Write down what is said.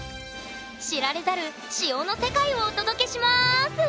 知られざる「塩」の世界をお届けします！